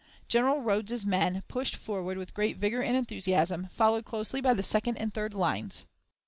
General Rodes's men pushed forward with great vigor and enthusiasm, followed closely by the second and third lines.